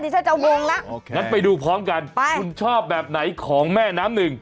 ฉันจะวงแล้วงั้นไปดูพร้อมกันไปคุณชอบแบบไหนของแม่น้ำหนึ่ง